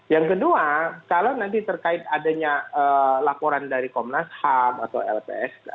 yang kedua kalau nanti terkait adanya laporan dari komnas ham atau lpsk